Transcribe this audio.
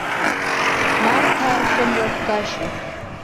Нарҭаа рхымҩаԥгашьа…